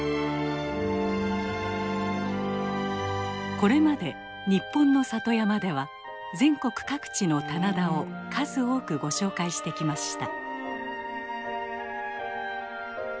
これまで「ニッポンの里山」では全国各地の棚田を数多くご紹介してきました。